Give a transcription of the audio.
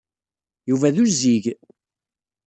Yuba d uzzig.